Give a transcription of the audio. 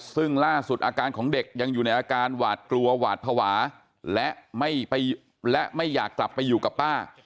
ซึ่งล่าสุดอาการของเด็กยังอยู่ในอาการหวาดกลัวหวาดภาวะและไม่ไปและไม่อยากกลับไปอยู่กับป้า